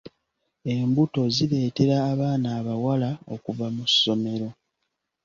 Embuto zireetera abaana abawala okuva mu ssomero.